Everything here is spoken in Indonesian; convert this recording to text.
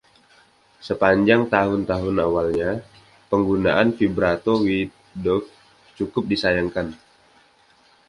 Sepanjang tahun-tahun awalnya, penggunaan vibrato Wiedoeft cukup disayangkan.